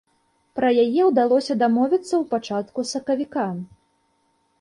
Пра яе ўдалося дамовіцца ў пачатку сакавіка.